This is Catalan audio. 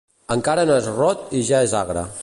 Encara no és rot i ja és agre.